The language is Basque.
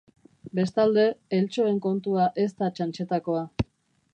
Bestalde, eltxoen kontua ez da txantxetakoa.